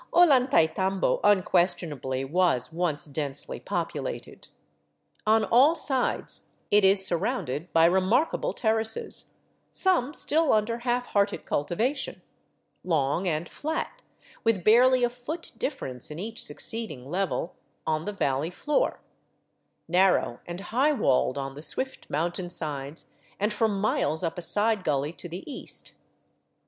Ollantaytambo unquestionably was once densely populated. On all sides it is surrounded by remarkable terraces, some still under half hearted cultivation, long and flat, with barely a foot difference in each succeeding level, on the valley floor; narrow and high walled on the swift mountainsides and for miles up a side gully to the east.